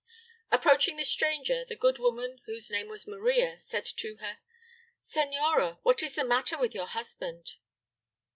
Approaching the stranger, the good woman, whose name was Maria, said to her: "Senora, what is the matter with your husband?"